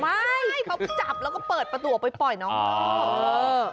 ไม่เขาก็จับแล้วก็เปิดประตูออกไปปล่อยน้องต่อ